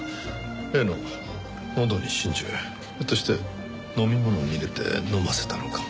例の喉の真珠ひょっとして飲み物に入れて飲ませたのかも。